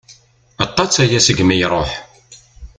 Aṭas aya segmi i iruḥ.